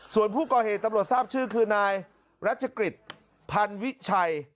ส่วนผู้ก่อเหตุตำรวจทราบชื่อคือนายรัชกฤษพันวิชัย